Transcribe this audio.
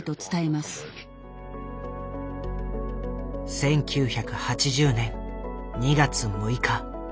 １９８０年２月６日。